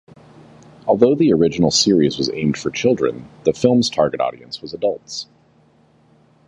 Although the original series was aimed for children, the film's target audience was adults.